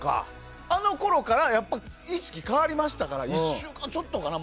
あのころからやっぱり意識が変わりましたから１週間ちょっとかな。